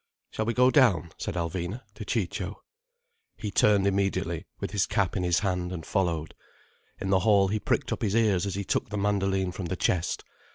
"Shall we go down?" said Alvina to Ciccio. He turned immediately, with his cap in his hand, and followed. In the hall he pricked up his ears as he took the mandoline from the chest.